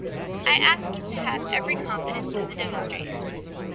I ask you to have every confidence in the demonstrators.